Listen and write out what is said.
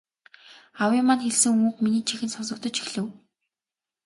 Аавын маань хэлсэн үг миний чихэнд сонсогдож эхлэв.